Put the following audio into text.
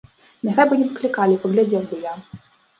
Няхай бы не паклікалі, паглядзеў бы я!